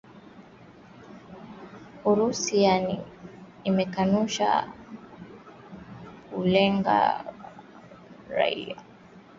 Urusi imekanusha kuwalenga raia katika uvamizi wake nchini Ukraine